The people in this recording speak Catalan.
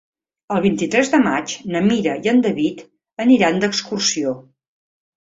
El vint-i-tres de maig na Mira i en David aniran d'excursió.